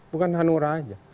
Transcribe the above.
bukan hanura aja